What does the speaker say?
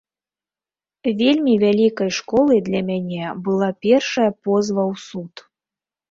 Вельмі вялікай школай для мяне была першая позва ў суд.